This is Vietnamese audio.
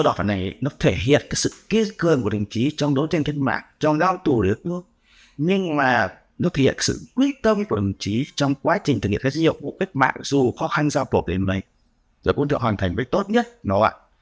bí danh sao đỏ này nó thể hiện sự kinh nghiệm của đồng chí trong đấu tranh cách mạng trong giao thủ lực nhưng mà nó thể hiện sự quy tâm của đồng chí trong quá trình thực hiện các dự hiệu vụ cách mạng dù khó khăn giao phục đến nay rồi cũng được hoàn thành với tốt nhất đúng không ạ